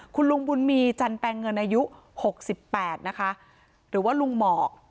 คุณลุงบุญมีจันแปลงเงินอายุ๖๘นะคะหรือว่าลุงหมอก